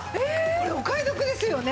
これお買い得ですよね？